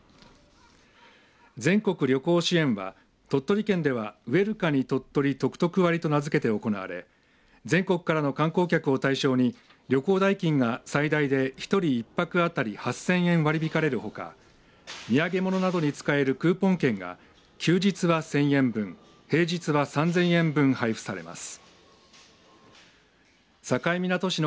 全国旅行支援は鳥取県ではウェルカニとっとり得々割と名付けて、行われ全国からの観光客を対象に旅行代金が最大で１人１泊当たり８０００円割り引かれるほか土産物などに使えるクーポン券が休日は１０００円分平日は３０００円分配布されます。